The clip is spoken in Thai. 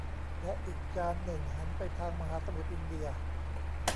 และอีกจานหนึ่งหันไปทางมหาสมุทรอินเดีย